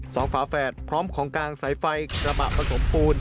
ฝาแฝดพร้อมของกลางสายไฟกระบะผสมปูน